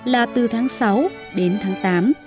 là từ tháng sáu đến tháng tám